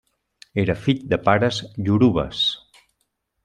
Era fill de pares iorubes.